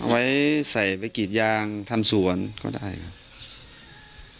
เอาไว้ใส่ไว้กิดยางทำสวนก็ได้ครับ